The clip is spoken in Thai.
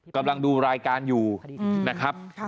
กำลังดูรายการอยู่นะครับ